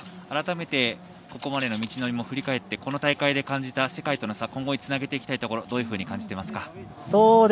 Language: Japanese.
改めてここまでの道のりも振り返ってこの大会で感じた世界との差今後につなげていきたいところどういうふうに感じていますか。